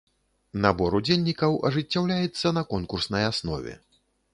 Набор удзельнікаў ажыццяўляецца на конкурснай аснове.